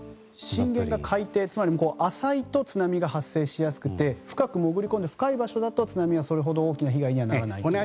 震源が海底で浅いと津波が発生しやすくて深く潜り込む、深い場所だと津波はそれほど大きな被害にはならないと。